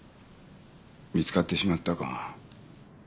見つかってしまったか。